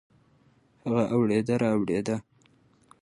هغه اوړېده رااوړېده.